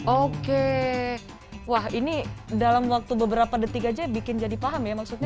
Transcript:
oke wah ini dalam waktu beberapa detik aja bikin jadi paham ya maksudnya